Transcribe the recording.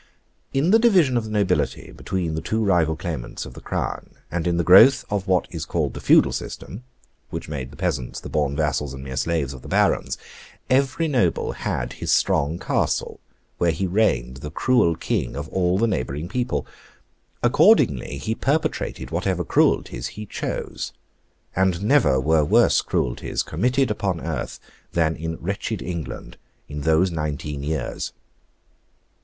In the division of the nobility between the two rival claimants of the Crown, and in the growth of what is called the Feudal System (which made the peasants the born vassals and mere slaves of the Barons), every Noble had his strong Castle, where he reigned the cruel king of all the neighbouring people. Accordingly, he perpetrated whatever cruelties he chose. And never were worse cruelties committed upon earth than in wretched England in those nineteen years.